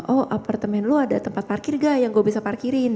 oh apartemen lo ada tempat parkir gak yang gue bisa parkirin